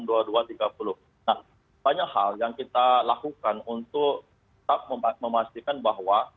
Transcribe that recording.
nah banyak hal yang kita lakukan untuk tetap memastikan bahwa